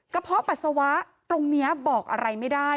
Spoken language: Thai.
เพาะปัสสาวะตรงนี้บอกอะไรไม่ได้